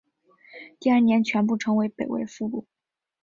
第二年全部成为北魏俘虏。